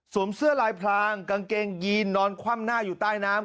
เสื้อลายพลางกางเกงยีนนอนคว่ำหน้าอยู่ใต้น้ำ